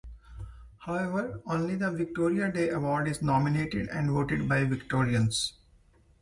However, only the Victoria Day award is nominated and voted by Victorians.